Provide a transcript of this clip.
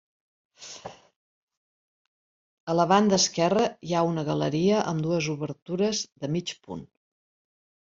A la banda esquerra hi ha una galeria amb dues obertures de mig punt.